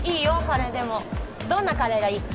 カレーでもどんなカレーがいい？